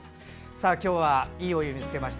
今日は「＃いいお湯見つけました」